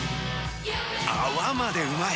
泡までうまい！